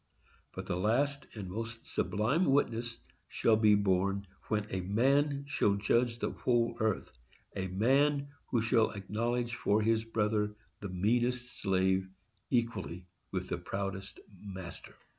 But the last and most sublime witness shall be borne when a MAN shall judge the whole earth—a Man who shall acknowledge for His brother the meanest slave, equally with the proudest master.